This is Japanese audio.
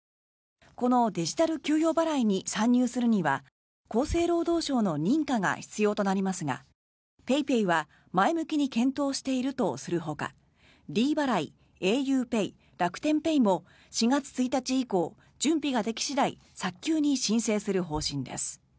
このデジタル給与払いに参入するには厚生労働省の認可が必要となりますがＰａｙＰａｙは前向きに検討しているとするほかｄ払い、ａｕＰＡＹ楽天ペイも４月１日以降、準備ができ次第早急に申請する方針です。